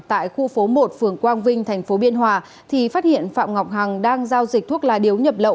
tại khu phố một phường quang vinh thành phố biên hòa thì phát hiện phạm ngọc hằng đang giao dịch thuốc lá điếu nhập lậu